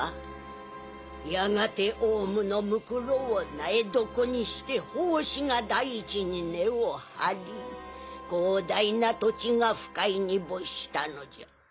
やがて王蟲のむくろを苗床にして胞子が大地に根を張り広大な土地が腐海に没したのじゃ。